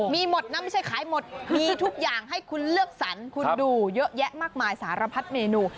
มีหมดนะไม่ใช่ขายหมดมีทุกอย่างให้คุณเลือกสรรคุณดูเยอะแยะมากมายสารพัดเมนู